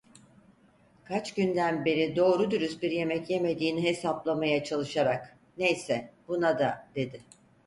Kaç günden beri doğru dürüst bir yemek yemediğini hesaplamaya çalışarak, "Neyse, buna da" dedi.